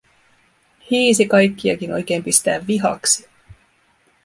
Hiisi kaikkiakin, oikein pistää vihaksi.